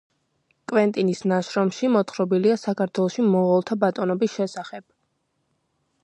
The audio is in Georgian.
კვენტინის ნაშრომში მოთხრობილია საქართველოში მონღოლთა ბატონობის შესახებ.